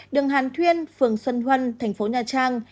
đường hàn thuyên phường xuân huân thành phố nha trang